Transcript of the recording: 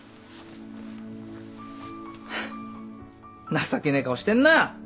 情けねえ顔してんな。